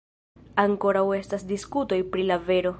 Ankoraŭ estas diskutoj pri la vero.